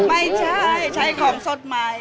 ไม่ใช่ใช้ของสดใหม่